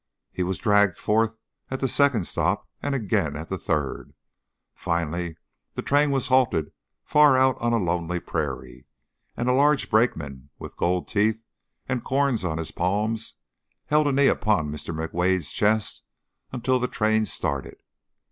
He was dragged forth at the second stop, and again at the third. Finally, the train was halted far out on a lonely prairie and a large brakeman with gold teeth and corns on his palms held a knee upon Mr. McWade's chest until the train started.